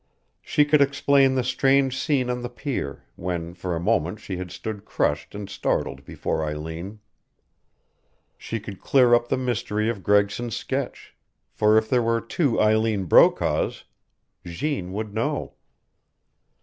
She could explain the strange scene on the pier, when for a moment she had stood crushed and startled before Eileen. She could clear up the mystery of Gregson's sketch, for if there were two Eileen Brokaws, Jeanne would know.